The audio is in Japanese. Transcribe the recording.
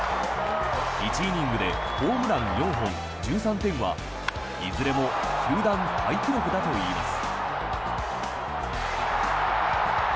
１イニングでホームラン４本、１３点はいずれも球団タイ記録だといいます。